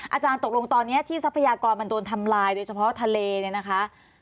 อาจารย์ตกลงตอนนี้ที่ทรัพยากรมันโดนทำลายโดยเฉพาะทะเลเนี่ยนะคะ